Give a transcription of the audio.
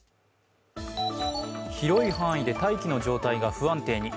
広い範囲で大気の状態が不安定に。